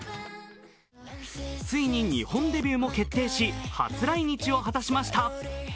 ついに日本デビューも決定し初来日を果たしました。